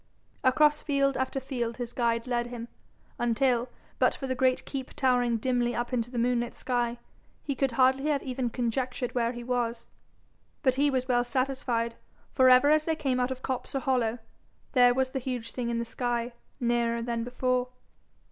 Across field after field his guide led him, until, but for the great keep towering dimly up into the moonlit sky, he could hardly have even conjectured where he was. But he was well satisfied, for, ever as they came out of copse or hollow, there was the huge thing in the sky, nearer than before.